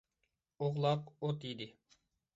ئوغلاق ئوت يېدى.